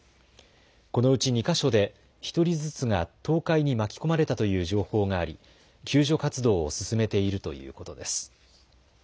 このうち２か所で１人ずつが倒壊に巻き込まれたという情報があり救助活動を進めているということです。